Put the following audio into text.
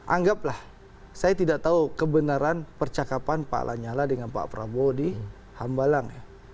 anggaplah saya tidak tahu kebenaran percakapan pak lanyala dengan pak prabowo di hambalang